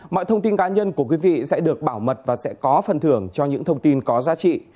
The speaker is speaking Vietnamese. mọi thông tin cá nhân của quý vị sẽ được bảo mật và sẽ có phần thưởng cho những thông tin có giá trị